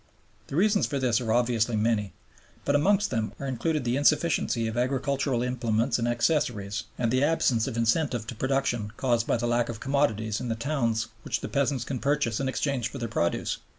The reasons for this are obviously many, but amongst them are included the insufficiency of agricultural implements and accessories and the absence of incentive to production caused by the lack of commodities in the towns which the peasants can purchase in exchange for their produce.